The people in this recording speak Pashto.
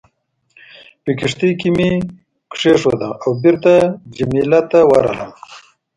په کښتۍ کې مې کېښوده او بېرته جميله ته ورغلم.